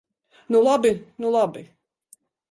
Nu labi, nu labi!